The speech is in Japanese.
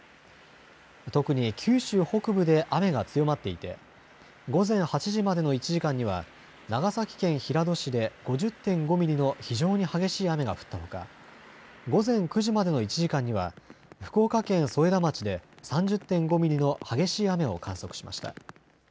特に九州北部で雨が強まっていて午前８時までの１時間には長崎県平戸市で５０．５ミリの非常に激しい雨が降ったほか午前９時までの１時間には福岡県添田町で３０．５ミリの激しい雨を観測しました。